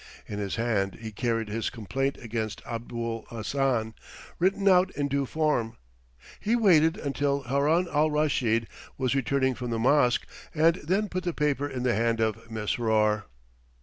In his hand he carried his complaint against Abul Hassan, written out in due form. He waited until Haroun al Raschid was returning from the mosque and then put the paper in the hand of Mesrour.